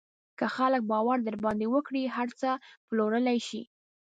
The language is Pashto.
که خلک باور در باندې وکړي، هر څه پلورلی شې.